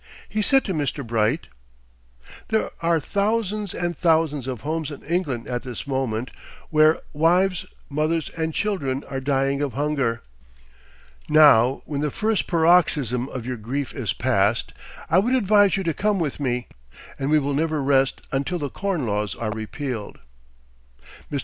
He said to Mr. Bright: "There are thousands and thousands of homes in England at this moment, where wives, mothers, and children are dying of hunger! Now when the first paroxysm of your grief is past, I would advise you to come with me, and we will never rest until the Corn Laws are repealed." Mr.